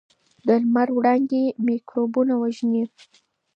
د لمر وړانګې میکروبونه وژني.